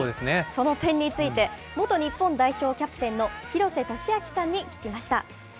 その点について、元日本代表キャプテンの廣瀬俊朗さんに聞きました。